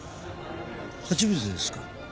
初めてですか？